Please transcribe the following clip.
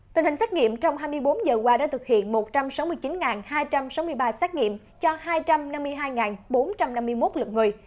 tình hình xét nghiệm trong hai mươi bốn giờ qua đã thực hiện một trăm sáu mươi chín hai trăm sáu mươi ba xét nghiệm cho hai trăm năm mươi hai bốn trăm năm mươi một lượt người